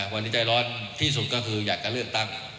วันนี้ใจร้อนที่สุดก็คืออยากจะเลือกตั้ง